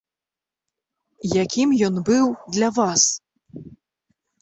Якім ён быў для вас?